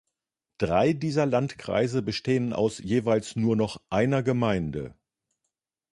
Drei dieser Landkreise bestehen aus jeweils nur noch einer Gemeinde.